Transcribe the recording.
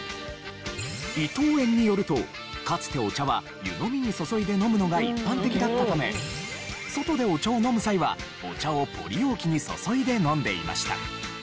伊藤園によるとかつてお茶は湯飲みに注いで飲むのが一般的だったため外でお茶を飲む際はお茶をポリ容器に注いで飲んでいました。